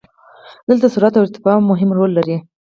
دلته سرعت او ارتفاع مهم رول لري.